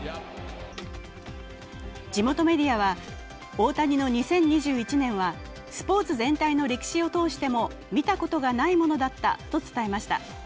地元メディアは、オオタニの２０２１年はスポーツ全体の歴史を通しても見たことがないものだったと伝えました。